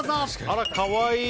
あら、可愛い！